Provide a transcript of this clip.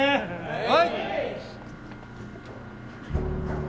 はい！